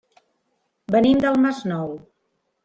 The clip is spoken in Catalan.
Venim del Masnou.